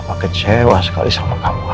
papa kecewa sekali sama kamu allah